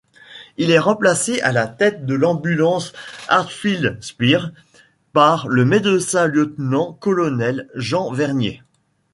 Il est remplacé à la tête de l'ambulance Hadfield-Spears par le médecin-lieutenant-colonel Jean Vernier.